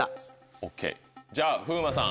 ＯＫじゃあ風磨さん